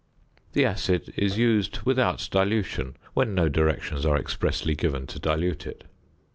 The acid is used without dilution when no directions are expressly given to dilute it.